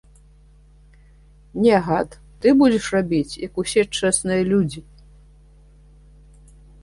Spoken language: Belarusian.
Не, гад, ты будзеш рабіць, як усе чэсныя людзі.